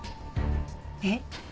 えっ？